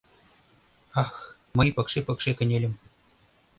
— Ах, мый пыкше-пыкше кынельым…